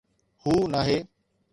هو، ناهي.